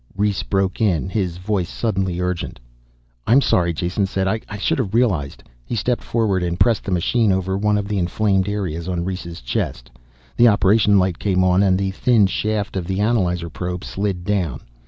Rhes broke in, his voice suddenly urgent. "I'm sorry," Jason said. "I should have realized." He stepped forward and pressed the machine over one of the inflamed areas on Rhes' chest. The operation light came on and the thin shaft of the analyzer probe slid down.